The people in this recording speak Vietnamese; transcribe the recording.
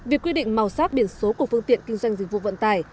việc quy định màu sắc biển số của phương tiện kinh doanh dịch vụ vận tải